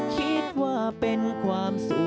คิดว่าเป็นความสุข